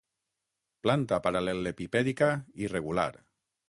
Planta paral·lelepipèdica irregular.